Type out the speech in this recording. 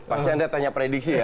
pasti anda tanya prediksi ya